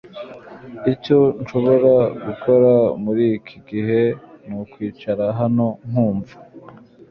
icyo nshobora gukora muriki gihe nukwicara hano nkumva